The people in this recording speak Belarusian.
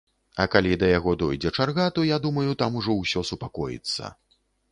А калі да яго дойдзе чарга, то, я думаю, там ужо ўсё супакоіцца.